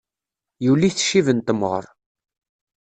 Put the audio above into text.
Yuli-t ccib n temɣer.